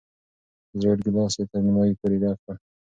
زېړ ګیلاس یې تر نیمايي پورې ډک کړ.